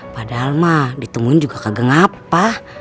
padahal ma ditemuin juga kagak ngapa